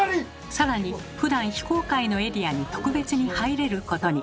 更にふだん非公開のエリアに特別に入れることに。